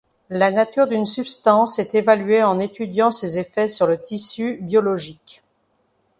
La nature d'une substance est évaluée en étudiant ses effets sur le tissu biologique.